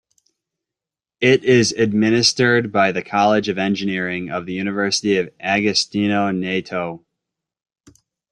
It is administered by the college of engineering of the University of Agostinho Neto.